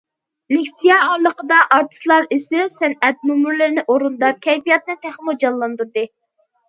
لېكسىيە ئارىلىقىدا ئارتىسلار ئېسىل سەنئەت نومۇرلىرىنى ئورۇنداپ، كەيپىياتنى تېخىمۇ جانلاندۇردى.